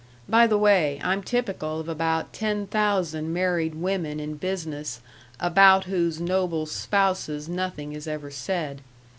By the way, I'm typical of about ten thousand married women in business about whose noble spouses nothing is ever said.